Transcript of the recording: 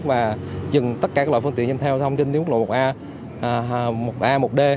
và dừng tất cả các loại phương tiện dân theo thông tin nước lộ một a một a một d